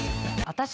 私？